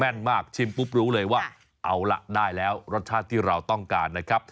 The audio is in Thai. นมากชิมปุ๊บรู้เลยว่าเอาล่ะได้แล้วรสชาติที่เราต้องการนะครับ